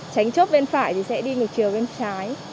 tránh chốt bên phải thì sẽ đi ngược chiều bên trái